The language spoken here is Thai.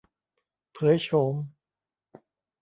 เผยโฉม